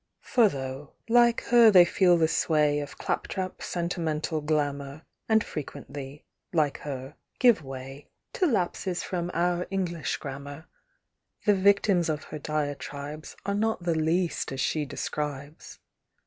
For thoŌĆÖ, like her, they feel the sway Of claptrap sentimental glamour, And frequently, like her, give way To lapses from our English grammar, The victims of her diatribes Are not the least as she describes.